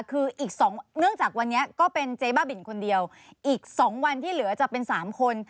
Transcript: คืออีก๒เนื่องจากวันนี้ก็เป็นเจ๊บ้าบินคนเดียวอีก๒วันที่เหลือจะเป็น๓คน